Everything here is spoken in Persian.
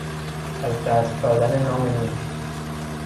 از دست دادن نام نیک